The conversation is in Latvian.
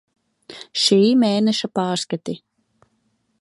Šī mēneša pārskati.